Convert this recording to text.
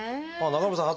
中村さん